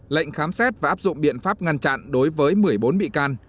lệnh khám xét và áp dụng biện pháp ngăn chặn đối với một mươi bốn bị can